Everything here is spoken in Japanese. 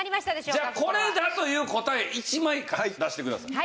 じゃあこれだという答え１枚出してください。